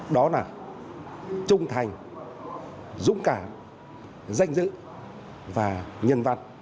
đó là trung thành dũng cảm danh dự và nhân văn